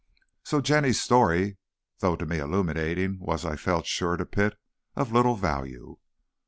So Jenny's story, though to me illuminating, was, I felt sure, to Pitt, of little value.